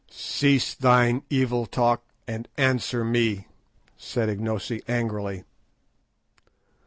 "Cease thine evil talk and answer me," said Ignosi angrily.